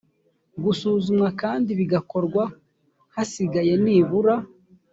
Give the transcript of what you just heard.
gusuzumwa kandi bigakorwa hasigaye nibura